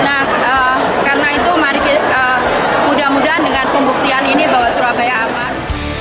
nah karena itu mari kita mudah mudahan dengan pembuktian ini bahwa surabaya aman